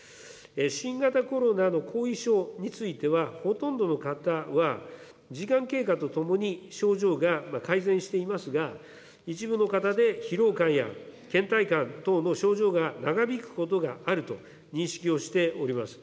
新型コロナの後遺症については、ほとんどの方は、時間経過とともに症状が改善していますが、一部の方で、疲労感やけん怠感等の症状が長引くことがあると認識をしております。